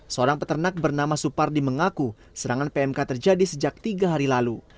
seorang peternak bernama supardi mengaku serangan pmk terjadi sejak tiga hari lalu